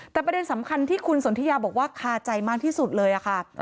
แต่ประเด็นสำคัญที่คุณสนทิยาบอกว่าคาใจมากที่สุดเลยค่ะ